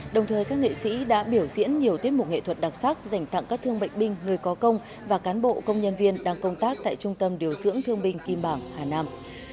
đồng thời các nghệ sĩ đã biểu diễn nhiều tiết mục nghệ thuật đặc sắc dành tặng các thương bệnh binh người có công và cán bộ công nhân viên đang công tác tại trung tâm điều dưỡng thương binh kim bảng hà nam